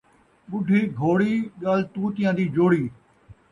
ٻڈھی گھوڑی ڳل توتیاں دی جوڑی